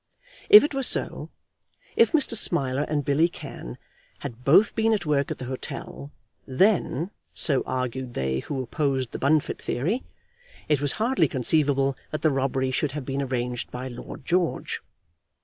If it were so, if Mr. Smiler and Billy Cann had both been at work at the hotel, then, so argued they who opposed the Bunfit theory, it was hardly conceivable that the robbery should have been arranged by Lord George.